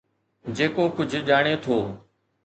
جيڪو ڪجھ ڄاڻي ٿو.